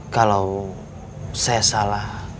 kalau saya salah